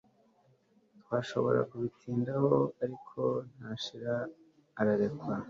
twashobora kubitindaho, ariko ntashira ararekwa